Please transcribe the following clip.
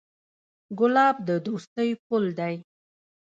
ګلاب د دوستۍ پُل دی.